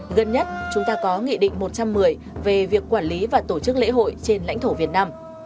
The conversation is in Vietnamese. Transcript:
gần nhất chúng ta có nghị định một trăm một mươi về việc quản lý và tổ chức lễ hội trên lãnh thổ việt nam